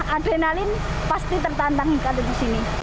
adrenalin pasti tertantangin kali di sini